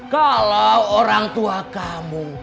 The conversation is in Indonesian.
kalau orang tua kamu